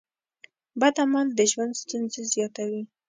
بد عمل د ژوند ستونزې زیاتوي.